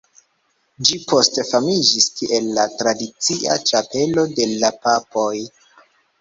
Ĝi poste famiĝis kiel la tradicia ĉapelo de la papoj.